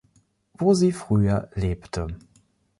Wo sie früher lebte.